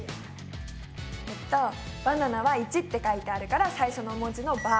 えっとバナナは①って書いてあるから最初の文字の「バ」。